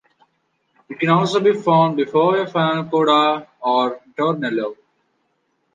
It can also be found before a final coda or ritornello.